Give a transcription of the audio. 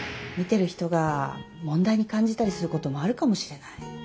見てる人が問題に感じたりすることもあるかもしれない。